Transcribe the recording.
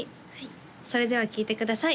それでは聴いてください